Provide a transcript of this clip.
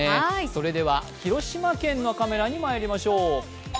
それでは広島県のカメラにまいりましょう。